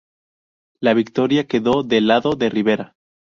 La victoria quedó del lado de Rivera.